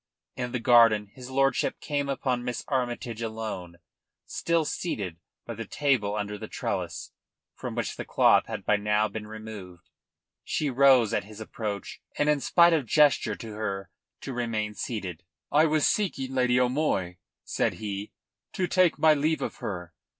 In the garden his lordship came upon Miss Armytage alone, still seated by the table under the trellis, from which the cloth had by now been removed. She rose at his approach and in spite of gesture to her to remain seated. "I was seeking Lady O'Moy," said he, "to take my leave of her.